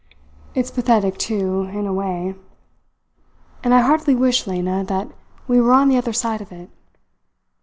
It's pathetic, too, in a way. And I heartily wish, Lena, that we were on the other side of it."